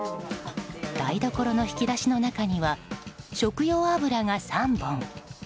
台所の引き出しの中には食用油が３本。